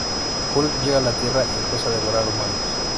Hulk llega a la tierra y empieza a devorar humanos.